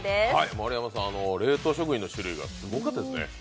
丸山さん、冷凍食品の種類がすごかったですね。